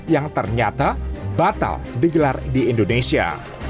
yang ternyata batal digelar di indonesia